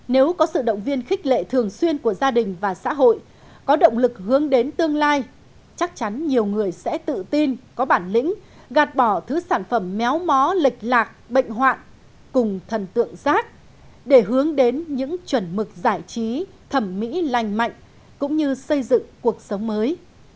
nếu có sự động viên khích lệ thường xuyên của gia đình và xã hội có động lực hướng đến tương lai chắc chắn nhiều người sẽ tự tin có bản lĩnh gạt bỏ thứ sản phẩm méo mó lịch lạc bệnh hoạn cùng thần tượng giác để hướng đến những chuẩn mực giải trí thẩm mỹ lành mạnh cũng như xây dựng cuộc sống mới